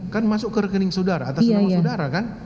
kan masuk ke rekening saudara atas nama saudara kan